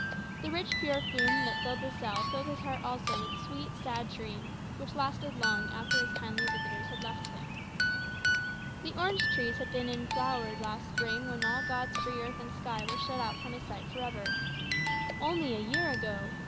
The rich perfume that filled the cell filled his heart also with sweet sad dreams, which lasted long after his kindly visitors had left him. The orange trees had just been in flower last spring when all God's free earth and sky were shut out from his sight for ever. Only a year ago!